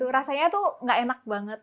rasanya itu tidak enak banget